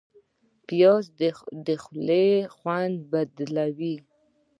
پیاز د خولې خوند بدلوي